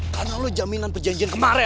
karena lo jaminan perjanjian kemarin